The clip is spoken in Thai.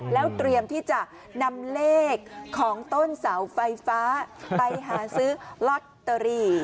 แล้วเตรียมที่จะนำเลขของต้นเสาไฟฟ้าไปหาซื้อลอตเตอรี่